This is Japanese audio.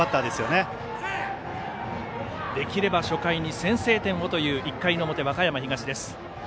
できれば初回に先制点をという１回の表、和歌山東です。